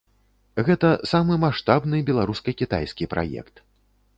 Гэта самы маштабны беларуска-кітайскі праект.